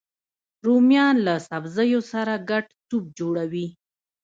رومیان له سبزیو سره ګډ سوپ جوړوي